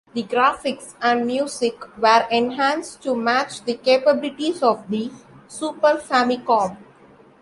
The graphics and music were enhanced to match the capabilities of the Super Famicom.